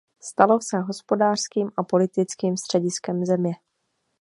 Stalo se hospodářským a politickým střediskem země.